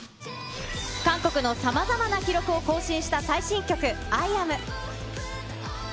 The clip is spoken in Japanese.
韓国のさまざまな記録を更新した最新曲、ＩＡＭ。